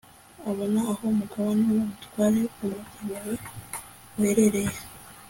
abona aho umugabane w'ubutware umugenewe uherereye